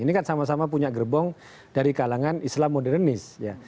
ini kan sama sama punya gerbong dari kalangan islam modernis